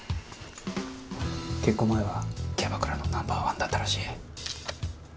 結婚前はキャバクラのナンバーワンだったらしい。